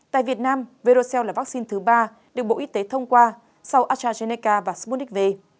tại việt nam vercel là vaccine thứ ba được bộ y tế thông qua sau astrazeneca và sputnik v